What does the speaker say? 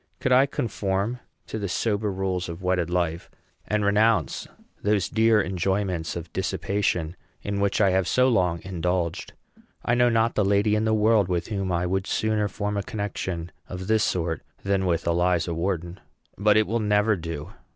Could I conform to the sober rules of wedded life, and renounce those dear enjoyments of dissipation in which I have so long indulged, I know not the lady in the world with whom I would sooner form a connection of this sort than with Eliza Wharton. But it will never do.